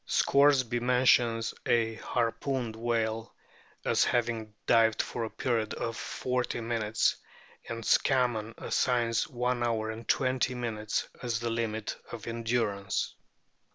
Scoresby mentions a harpooned whale as having dived for a period of forty minutes, and Scammon assigns one hour and twenty minutes as the limit of endurance.